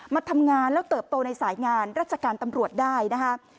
มาทำงานแล้วเติบโตในสายงานราชการตำรวจได้นะคะ